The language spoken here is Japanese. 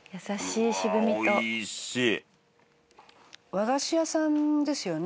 和菓子屋さんですよね？